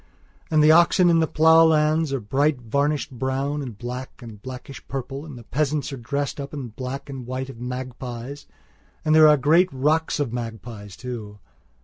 And the oxen in the ploughlands are bright varnished brown and black and blackish purple; and the peasants * are dressed in the black and white of magpies; and there are great flocks of magpies too.